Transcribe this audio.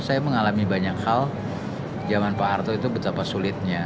saya mengalami banyak hal zaman pak harto itu betapa sulitnya